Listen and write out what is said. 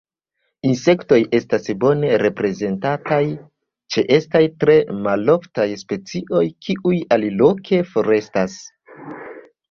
Insektoj estas bone reprezentataj: ĉeestas tre maloftaj specioj kiuj aliloke forestas.